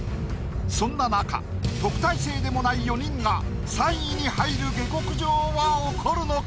そんな中特待生でもない４人が３位に入る下克上は起こるのか？